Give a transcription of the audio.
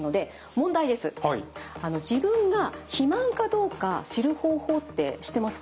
自分が肥満かどうか知る方法って知ってますか？